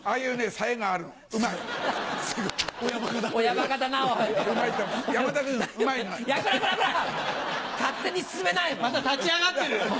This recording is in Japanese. また立ち上がってる！